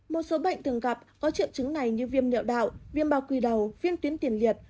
một số bệnh thường gặp có triệu chứng này như viêm nạo đạo viêm bao quy đầu viêm tuyến tiền liệt